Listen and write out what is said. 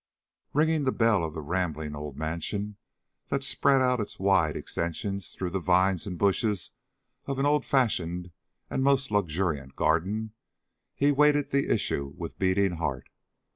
Ringing the bell of the rambling old mansion that spread out its wide extensions through the vines and bushes of an old fashioned and most luxuriant garden, he waited the issue with beating heart.